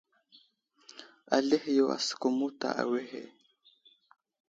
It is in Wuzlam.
Azlehe yo asəkum muta awehe.